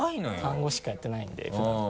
単語しかやってないんで普段。